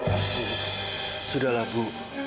bu sudahlah bu